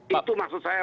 itu maksud saya